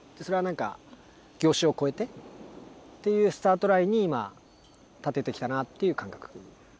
それは何か業種を超えてっていうスタートラインに今立ててきたなっていう感覚